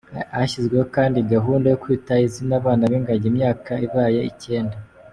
Hashyizweho kandi gahunda yo Kwita Izina abana b’ingagi, imyaka ibaye icyenda.